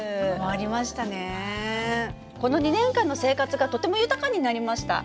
この２年間の生活がとても豊かになりました。